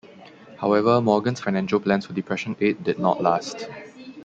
However, Morgan's financial plans for Depression aid did not last.